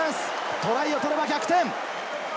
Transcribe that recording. トライを取れば逆転。